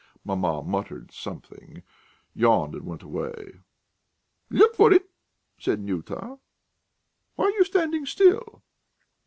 Maman muttered something, yawned, and went away. "Look for it," said Nyuta. "Why are you standing still?"